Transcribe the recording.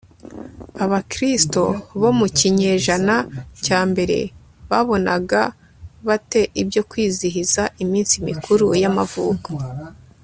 abakristo bo mu kinyejana cya mbere babonaga bate ibyo kwizihiza iminsi mikuru y' amavuko